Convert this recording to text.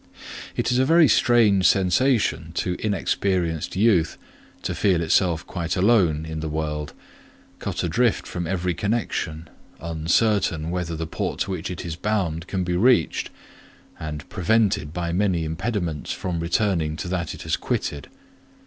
It is a very strange sensation to inexperienced youth to feel itself quite alone in the world, cut adrift from every connection, uncertain whether the port to which it is bound can be reached, and prevented by many impediments from returning to that it has quitted.